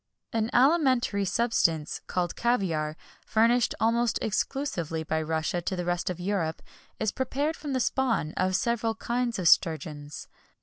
An alimentary substance, called caviar, furnished almost exclusively by Russia to the rest of Europe, is prepared from the spawn of several kinds of sturgeons.